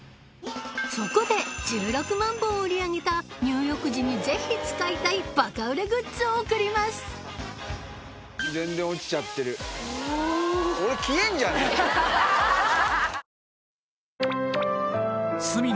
そこで１６万本売り上げた入浴時にぜひ使いたいバカ売れグッズを贈りますハハハ！